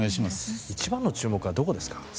一番の注目はどこですか？